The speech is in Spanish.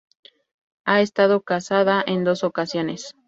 Ha estado casada en dos ocasiones.